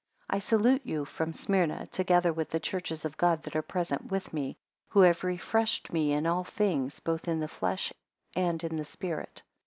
I SALUTE you from Smyrna, together with the churches of God that are present with me; who have refreshed me in all things, both in the flesh and in the spirit.